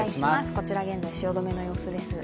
こちら現在の汐留の様子です。